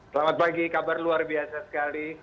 selamat pagi kabar luar biasa sekali